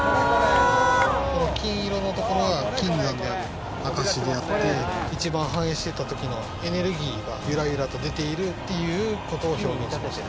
金色のところが金山である証しであって、一番繁栄していたときのエネルギーがゆらゆらと出ているっていうことを表現しました。